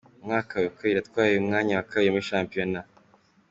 Umwaka wa kabiri yatwaye umwanya wa kabiri muri shampiyona.